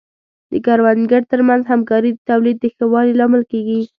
د کروندګرو ترمنځ همکاري د تولید د ښه والي لامل کیږي.